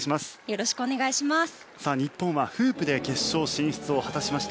よろしくお願いします。